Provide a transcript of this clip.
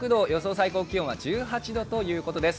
最高気温は１８度となりそうです。